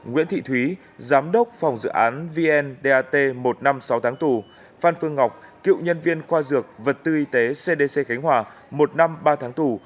nguyễn thị thúy giám đốc phòng dự án vndat một năm sáu tháng tù phan phương ngọc cựu nhân viên khoa dược vật tư y tế cdc khánh hòa một năm ba tháng tù